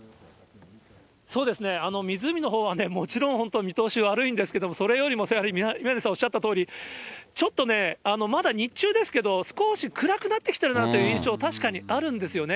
そうですね、湖のほうはね、もちろん本当、見通し悪いんですけど、それよりもやはり宮根さんおっしゃったとおり、ちょっとね、まだ日中ですけど、少し暗くなってきてるなという印象、確かにあるんですよね。